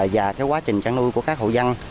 và quá trình trang nuôi của các hội dân